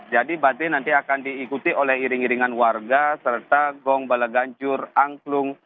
jadi bade nanti akan diikuti oleh iring iringan warga serta gong balaganjur angklung